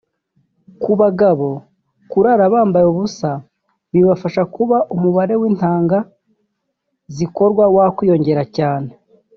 Ku bagagabo kurara bambaye ubusa bibafasha kuba umubare w’intanga zikorwa wakwiyongera cyane